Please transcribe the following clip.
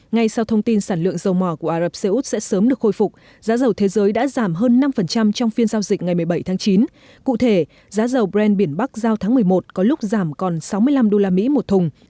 ngay sau thông tin sản lượng dầu mò của ả rập xê úc sẽ sớm được khôi phục giá dầu thế giới đã giảm hơn năm trong phiên giao dịch ngày một mươi bảy tháng chín